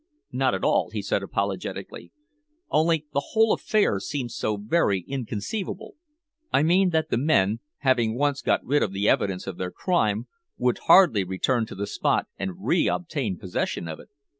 "Not at all," he said apologetically. "Only the whole affair seems so very inconceivable I mean that the men, having once got rid of the evidence of their crime, would hardly return to the spot and re obtain possession of it."